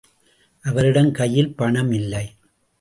அவரிடம் கையில் பணம் இல்லை.